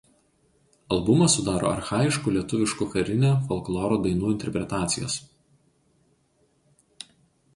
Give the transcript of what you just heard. Albumą sudaro archajiškų lietuviškų karinio folkloro dainų interpretacijos.